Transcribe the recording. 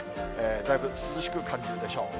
だいぶ涼しく感じるでしょう。